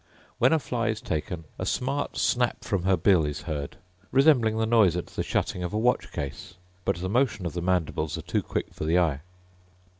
When a fly is taken a smart snap from her bill is heard, resembling the noise at the shutting of a watch case; but the motion of the mandibles are too quick for the eye.